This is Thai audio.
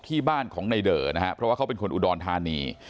ที่บ้านของในเดอร์นะฮะเพราะว่าเขาเป็นคนอุดรธานี